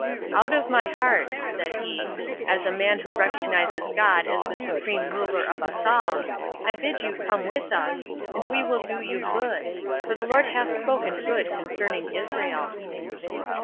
"Out of my heart," said he: "as a man who recognizes God as the supreme ruler of us all, I bid you come with us, and we will do you good, for the Lord hath spoken good concerning Israel."